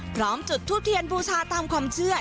จุดทูปเทียนบูชาตามความเชื่อ